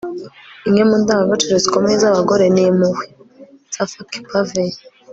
imwe mu ndangagaciro zikomeye z'abagore ni impuhwe. - safak pavey